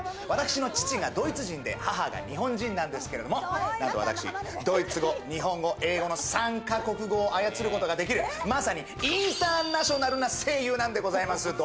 私の父がドイツ人で、母が日本人なんですけれども、何と私、ドイツ語、日本語、英語の３ヶ国語を操ることができる、まさにインターナショナルな声優なんでございます！